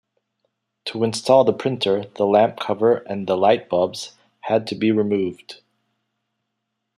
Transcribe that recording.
To install the printer, the lamp cover and light bulbs had to be removed.